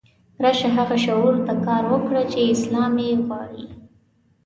راشه هغه شعور ته کار وکړه چې اسلام یې غواړي.